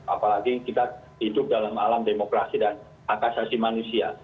apalagi kita hidup dalam alam demokrasi dan akasasi manusia